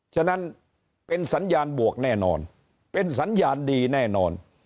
ฉะนั้นเป็นสัญญาณบวกแน่นอนเป็นสัญญาณดีแน่นอน